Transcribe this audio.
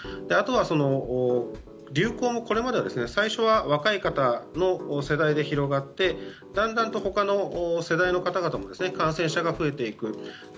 あとは、流行もこれまで最初は若い方の世代で広がってだんだんと他の世代の方々も感染者が増えていく。